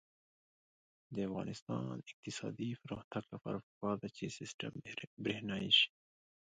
د افغانستان د اقتصادي پرمختګ لپاره پکار ده چې سیستم برښنايي شي.